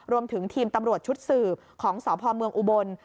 รวมถึงทีมตำรวจชุดสืบของสพเมืองอุบล